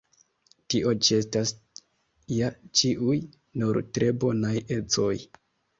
Tio ĉi estas ja ĉiuj nur tre bonaj ecoj!